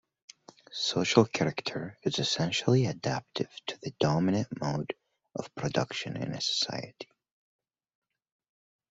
Social character is essentially adaptive to the dominant mode of production in a society.